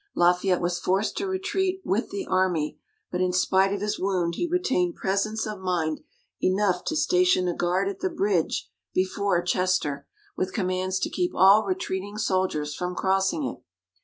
Lafayette was forced to retreat with the Army, but in spite of his wound, he retained presence of mind enough to station a guard at the bridge before Chester, with commands to keep all retreating soldiers from crossing it.